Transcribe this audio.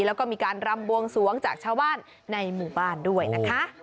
แล้วก็มีการรำบวงสวงจากชาวบ้านในหมู่บ้านด้วยนะคะ